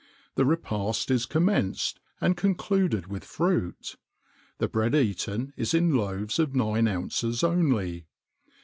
The repast is commenced and concluded with fruit. The bread eaten is in loaves of nine ounces only.